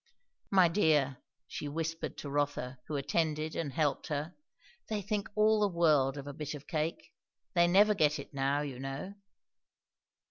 "My dear," she whispered to Rotha, who attended and helped her, "they think all the world of a bit of cake! They never get it now, you know."